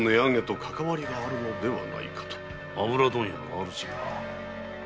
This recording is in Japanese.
油問屋の主が。